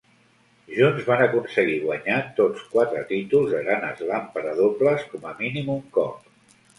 Junts van aconseguir guanyar tots quatre títols de Grand Slam per a dobles com a mínim un cop.